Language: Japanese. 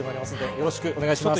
よろしくお願いします。